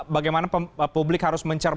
bagaimana publik harus mencerput